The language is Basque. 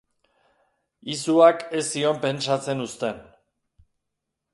Izuak ez zion pentsatzen uzten.